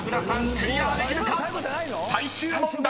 クリアできるか⁉最終問題］